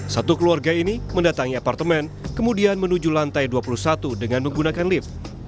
satu keluarga ini mendatangi apartemen kemudian menuju lantai dua puluh satu dengan menggunakan lift